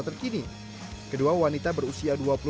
terkini kedua wanita berusia